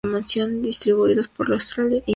Distribuidos por Australia y Nueva Guinea.